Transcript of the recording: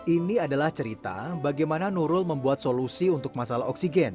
ini adalah cerita bagaimana nurul membuat solusi untuk masalah oksigen